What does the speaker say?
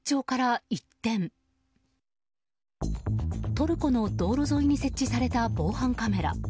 トルコの道路沿いに設置された防犯カメラ。